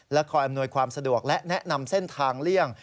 คอยอำนวยความสะดวกและแนะนำเส้นทางเลี่ยง